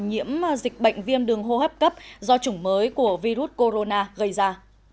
nhiễm dịch bệnh viêm đường hô hấp cấp do chủng mới của virus corona gây ra